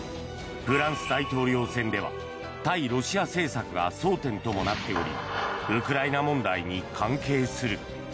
フランス大統領選では対ロシア政策が争点ともなっておりウクライナ問題に関係する。